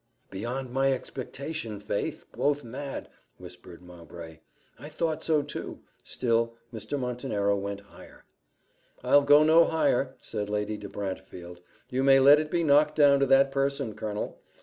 "Beyond my expectation, faith! Both mad!" whispered Mowbray. I thought so too. Still Mr. Montenero went higher. "I'll go no higher," said Lady de Brantefield; "you may let it be knocked down to that person, Colonel."